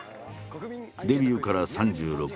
デビューから３６年。